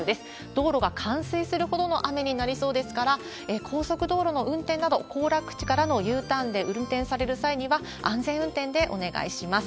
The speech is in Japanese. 道路が冠水するほどの雨になりそうですから、高速道路の運転など、行楽地からのＵターンで運転される際には、安全運転でお願いします。